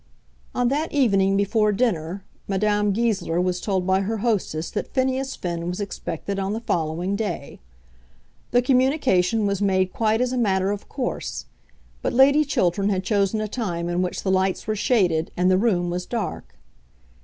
On that evening before dinner Madame Goesler was told by her hostess that Phineas Finn was expected on the following day. The communication was made quite as a matter of course; but Lady Chiltern had chosen a time in which the lights were shaded, and the room was dark.